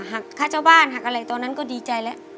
หักค่าเจ้าบ้านหักอะไรตอนนั้นก็ดีใจแล้ว